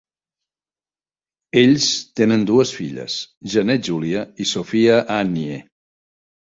Ells tenen dues filles: Jeanette Julia i Sophia Annie.